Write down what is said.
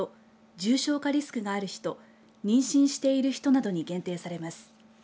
重症化リスクがある人妊娠している人などに限定されます。